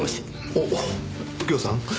おっ右京さん。